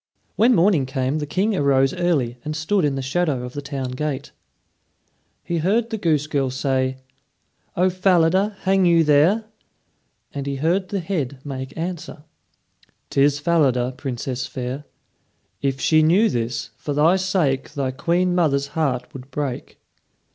When morning came the King arose early and stood in the shadow of the town gate. He heard the goose girl say, "O Falada, hang you there?" and he heard the head make answer: "'Tis Falada, Princess fair. If she knew this, for thy sake Thy queen mother's heart would break."